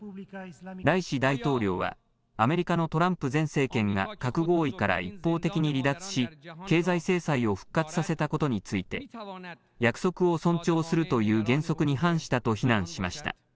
ライシ大統領はアメリカのトランプ前政権が核合意から一方的に離脱し経済制裁を復活させたことについて約束を尊重するという原則に反したと非難しました。